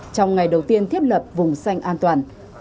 trong ngày đầu tiên thiết lập vùng xanh an toàn